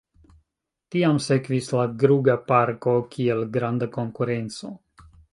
Tiam sekvis la Gruga-Parko kiel granda konkurenco.